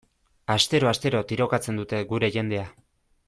Astero-astero tirokatzen dute gure jendea.